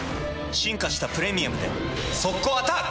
進化した「プレミアム」で速攻アタック！